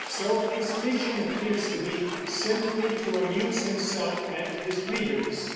So his mission appears to be simply to amuse himself and his readers.